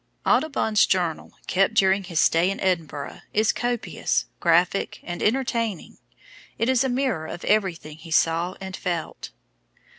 Audubon's journal, kept during his stay in Edinburgh, is copious, graphic, and entertaining. It is a mirror of everything he saw and felt.